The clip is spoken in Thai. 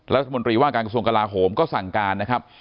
รัฐมนตรีว่าการกระทรวงกลาโหมก็สั่งการนะครับ